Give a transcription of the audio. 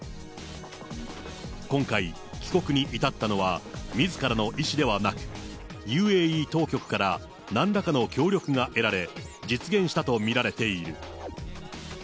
今回、帰国に至ったのは、みずからの意思ではなく、ＵＡＥ当局からなんらかの協力が得られ、実現したと見られている。